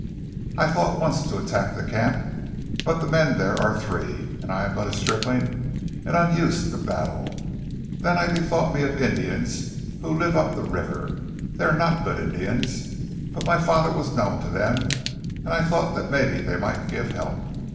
I thought once to attack the camp, but the men there are three, and I am but a stripling and unused to battle. Then I bethought me of Indians who live up the river. They are not good Indians, but my father was known to them and I thought that maybe they might give help.